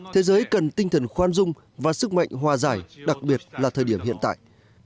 thế giới cần tinh thần khoan dung và sức mạnh hòa giải đặc biệt là thời điểm hiện tại